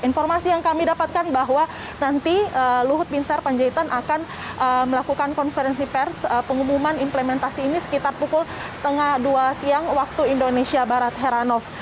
informasi yang kami dapatkan bahwa nanti luhut binsar panjaitan akan melakukan konferensi pers pengumuman implementasi ini sekitar pukul setengah dua siang waktu indonesia barat heranov